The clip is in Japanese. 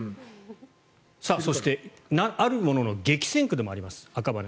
そして、あるものの激戦区でもあります、赤羽。